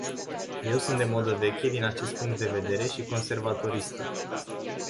Eu sunt de modă veche din acest punct de vedere și conservatoristă.